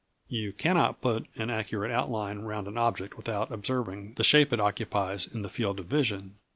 You cannot put an accurate outline round an object without observing the shape it occupies in the field of vision.